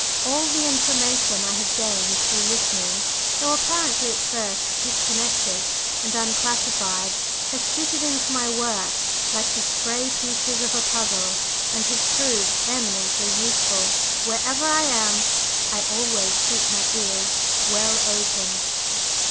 All the information I have gained through listening, though apparently at first disconnected and unclassified, has fitted into my work like the stray pieces of a puzzle, and has proved eminently useful. Wherever I am I always keep my ears well open."